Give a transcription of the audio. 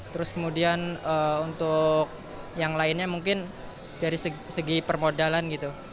terus kemudian untuk yang lainnya mungkin dari segi permodalan gitu